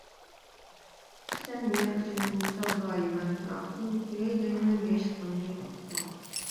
سەن يار ئۈچۈن سەۋدايىمەن پىراقتىن، قوياي دەيمەن ياشلىقىمنى توختىتىپ.